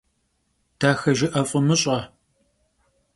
Daxejjı'e f'ı mış'e.